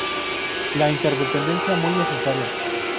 La interdependencia muy necesaria.